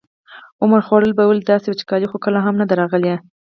عمر خوړلو به ویل داسې وچکالي خو کله هم نه ده راغلې.